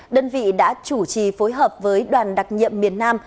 đơn vị đã chủ trì phối hợp với đoàn đặc nhiệm miền nam